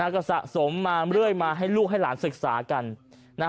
ก็สะสมมาเรื่อยมาให้ลูกให้หลานศึกษากัน